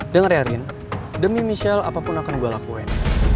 dengar ya rin demi michelle apapun gue akan lakuin